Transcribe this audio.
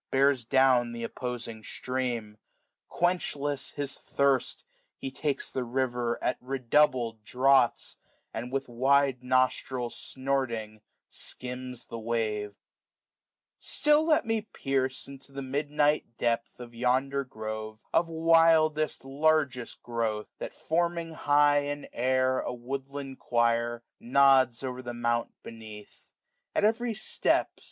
Bears downth* opposing stream: quenchless his diirst; He takes the river at redoubled draughts ; And with wide nostrik, snorting, skims the wave« 5^5 Still let me perce into the midxiight depth Of yonder grove, of wildest largest growth : That, forming high in air a woodland quire. Nods o'er the mount beneath. At every step.